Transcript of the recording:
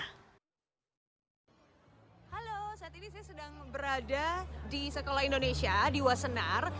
halo saat ini saya sedang berada di sekolah indonesia di wasenar